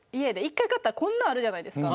１回買ったらこんなあるじゃないですか。